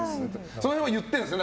その辺は言ってるんですね